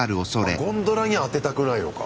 あゴンドラには当てたくないのか。